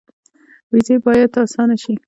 ویزه باید اسانه شي